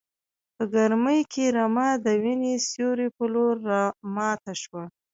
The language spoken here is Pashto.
په ګرمۍ کې رمه د وینې سیوري په لور راماته شوه.